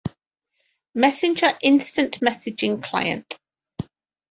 Messenger instant messaging client.